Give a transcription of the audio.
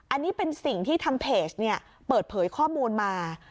อันนี้เป็นสิ่งที่ทางเพจเนี่ยเปิดเผยข้อมูลมา